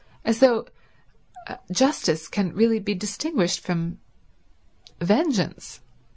As though justice can really be distinguished from vengeance.